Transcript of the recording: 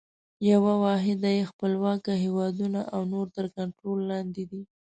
یوه واحده یې خپلواکه هیوادونه او نور تر کنټرول لاندي دي.